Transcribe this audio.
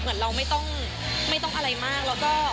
เหมือนเราไม่ต้องไม่ต้องอะไรมากแล้วก็